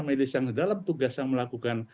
medis yang dalam tugas yang melakukan